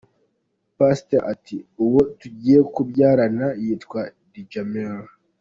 Passy ati: “Uwo tugiye kubyarana yitwa Djamil.